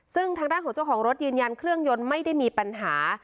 ซึ่งทางด้านของเจ้าของรถยืนยันเครื่องยนต์ไม่ได้มีปัญหา